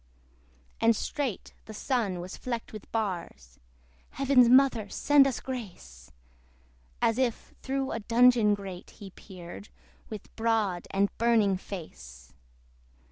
And straight the Sun was flecked with bars, (Heaven's Mother send us grace!) As if through a dungeon grate he peered, With broad and burning face.